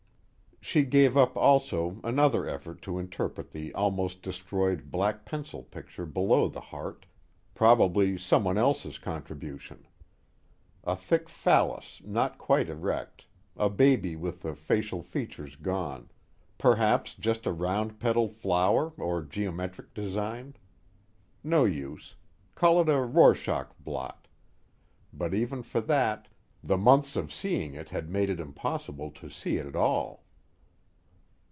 She gave up also another effort to interpret the almost destroyed black pencil picture below the heart, probably someone else's contribution. A thick phallus not quite erect, a baby with the facial features gone, perhaps just a round petaled flower or geometric design? No use. Call it a Rorschach blot but even for that, the months of seeing it had made it impossible to see it at all.